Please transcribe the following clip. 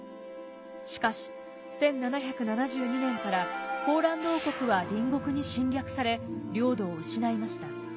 しかし１７７２年からポーランド王国は隣国に侵略され領土を失いました。